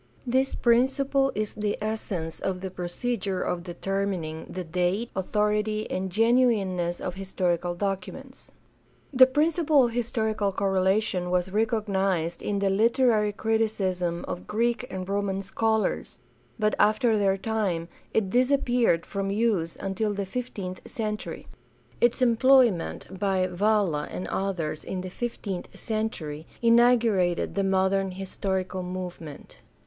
This principle is the essence of the procedure of determining the date, authority, and genuineness of historical documents. The principle of historical correlation was recognized in the literary criticism of Greek and Roman scholars, but after their time it disappeared from use until the fifteenth century. Its employment by Valla and others in the fifteenth century inaugurated the modern historical movement.